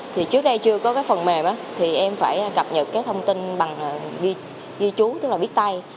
trước đây chưa có phần mềm em phải cập nhật thông tin bằng ghi trú tức là biết tay